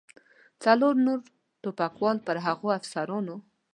څلور نور ټوپکوال پر هغو افسرانو.